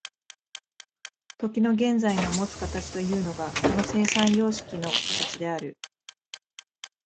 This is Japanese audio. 時の現在のもつ形というのがその生産様式の形である。